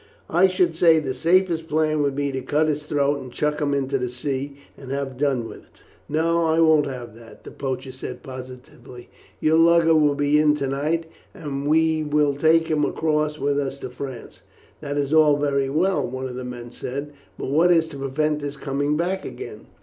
"I should say the safest plan would be to cut his throat and chuck him into the sea, and have done with it." "No, I won't have that," the poacher said positively. "Your lugger will be in to night, and we will take him across with us to France." "That is all very well," one of the men said; "but what is to prevent his coming back again?"